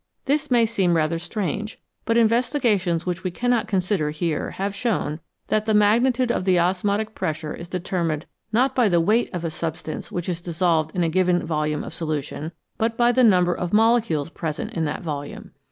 This may seem rather strange, but investigations which we cannot consider here have shown that the magnitude of the osmotic pressure is determined, not by the weight of a substance which is dissolved in a given volume of solution, but by the number of molecules present in that volume.